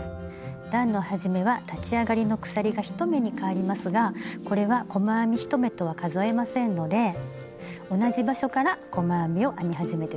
段の始めは立ち上がりの鎖が１目にかわりますがこれは細編み１目とは数えませんので同じ場所から細編みを編み始めて下さいね。